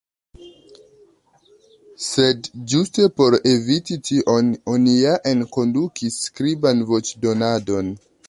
Sed ĝuste por eviti tion oni ja enkondukis skriban voĉdonadon.